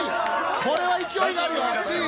これは勢いがある。